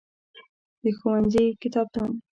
د ښوونځی کتابتون.